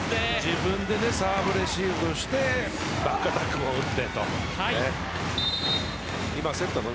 自分でサーブレシーブしてバックアタックも打ってと。